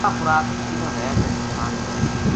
واہ خوراک ہچھی نہ وھے تے نقصان ہووے۔